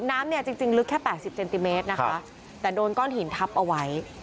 น้ำเนี่ยจริงจริงลึกแค่๘๐เซนติเมตรนะคะแต่โดนก้อนหินทับเอาไว้